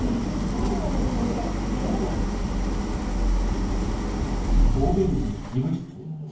もうちょっと違う感じで。